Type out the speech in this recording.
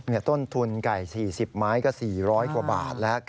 ต้นทุนไก่๔๐ไม้ก็๔๐๐กว่าบาทแล้ว